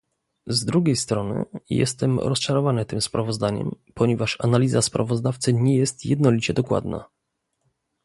Z drugiej strony, jestem rozczarowany tym sprawozdaniem, ponieważ analiza sprawozdawcy nie jest jednolicie dokładna